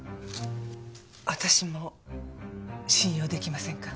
私も信用できませんか？